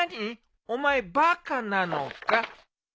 お前バカなのか？